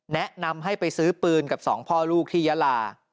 แนะนำให้ไปซื้อปืนกับสองพ่อลูกที่ยาลา